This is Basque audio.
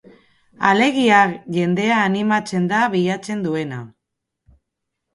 Alegia, jendea animatzea da bilatzen duena.